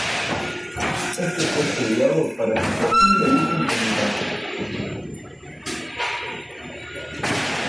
Esto fue estudiado para su posible uso en comunicaciones.